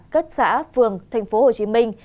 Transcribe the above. cất xã phường thành phố hồ chí minh